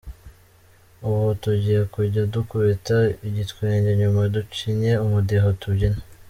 Ubu tugiye kujya dukubita igitwenge, nyuma ducinye umudiho tubyine.